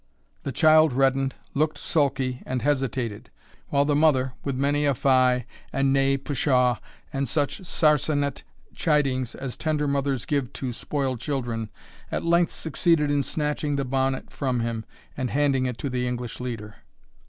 The child reddened, looked sulky, and hesitated, while the mother, with many a fye and nay pshaw, and such sarsenet chidings as tender mothers give to spoiled children, at length succeeded in snatching the bonnet from him, and handing it to the English leader.